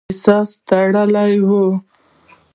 له غږ سره احساس تړلی وي.